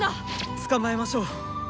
捕まえましょう。